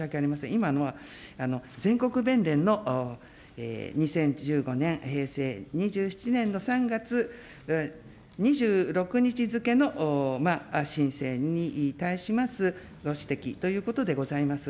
今のは全国弁連の２０１５年・平成２７年の３月２６日付の申請に対しますご指摘ということでございます。